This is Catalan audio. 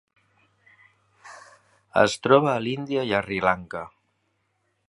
Es troba a l'Índia i a Sri Lanka.